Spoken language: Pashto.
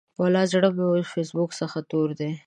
ولا زړه مو د فیسبوک څخه تور دی.